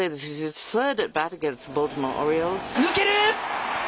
抜ける。